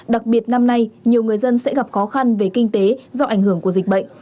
đặc biệt năm nay nhiều người dân sẽ gặp khó khăn về kinh tế do ảnh hưởng của dịch bệnh